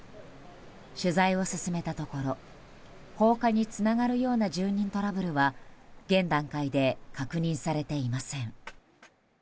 取材を進めたところ、放火につながるような住人トラブルは現段階で確認されていません。